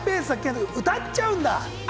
歌っちゃうんだ。